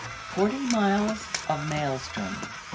*FORTY MILES OF MAELSTROM.